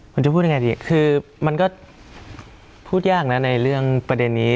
จะพูดยังไงดีคือมันก็พูดยากนะในเรื่องประเด็นนี้